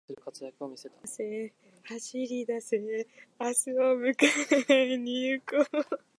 走りだせ、走りだせ、明日を迎えに行こう